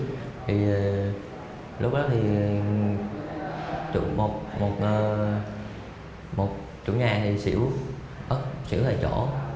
thì lúc đó thì một chủ nhà thì xỉu xỉu ở chỗ